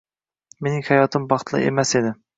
Mening hayotim baxtli emas edi.